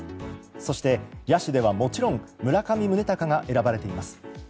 そして、野手ではもちろん村上宗隆が選ばれています。